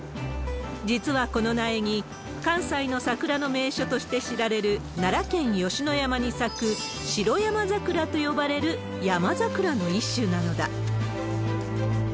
実はこの苗木、関西の桜の名所として知られる奈良県吉野山に咲く、白山桜と呼ばれるヤマザクラの一種なのだ。